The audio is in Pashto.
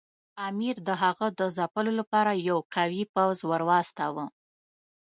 امیر د هغه د ځپلو لپاره یو قوي پوځ ورواستاوه.